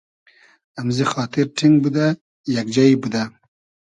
امزی خاتیر ݖینگ بودۂ, یئگ جݷ بودۂ